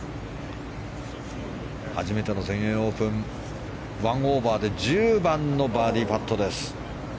初めての全英オープン１オーバーで１０番のバーディーパット。